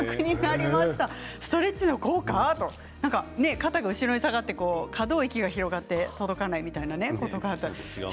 肩が後ろに下がって可動域が広がって届かないみたいなことがあるのかな。